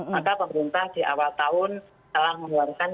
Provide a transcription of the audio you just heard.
maka pemerintah di awal tahun telah mengeluarkan